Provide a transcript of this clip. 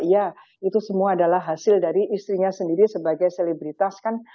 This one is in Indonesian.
ya itu semua adalah hasil dari istrinya sendiri sebagai selebritas kan